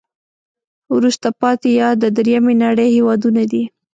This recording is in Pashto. وروسته پاتې یا د دریمې نړی هېوادونه دي.